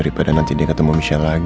supaya nanti dia ketemu michelle lagi